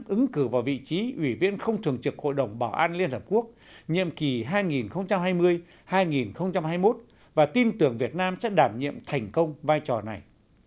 ứng cử vào vị trí ủy viên không thường trực hội đồng bảo an liên hợp quốc nhiệm kỳ hai nghìn hai mươi hai nghìn hai mươi một và tin tưởng việt nam sẽ đảm nhiệm thành công vai trò này